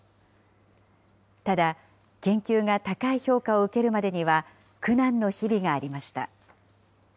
ただ、研究が高い評価を受けるまでには、苦難の日々がありました。